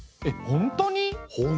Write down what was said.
本当に。